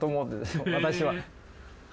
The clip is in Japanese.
私は。